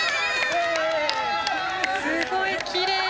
すごいきれい。